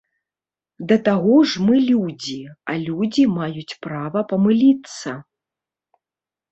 Да таго ж, мы людзі, а людзі маюць права памыліцца.